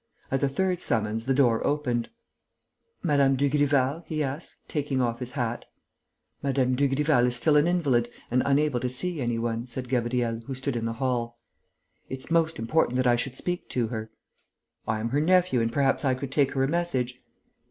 At the third summons, the door opened. "Mme. Dugrival?" he asked, taking off his hat. "Mme. Dugrival is still an invalid and unable to see any one," said Gabriel, who stood in the hall. "It's most important that I should speak to her." "I am her nephew and perhaps I could take her a message...."